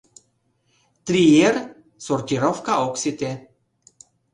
«Триер» сортировка ок сите.